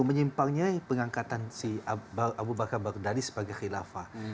menyimpangnya pengangkatan si abu bakar baghdadi sebagai khilafah